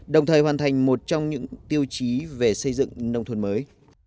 đồng thời hoàn thành một trong những tiêu chí về xây dựng nông thôn mới